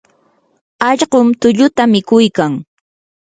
allqum tulluta mikuykan.